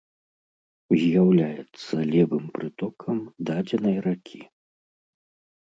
З'яўляецца левым прытокам дадзенай ракі.